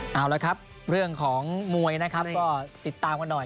เอาละครับเรื่องของมวยนะครับก็ติดตามกันหน่อย